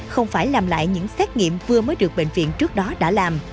không phải làm lại những xét nghiệm vừa mới được bệnh viện trước đó đã làm